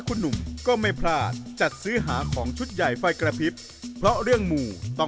วันเทศวันเทศวันเทศวันเทศ